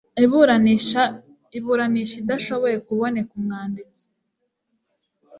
iburanisha idashoboye kuboneka umwanditsi